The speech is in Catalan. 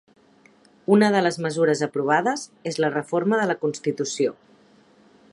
Una de les mesures aprovades és la reforma de la constitució.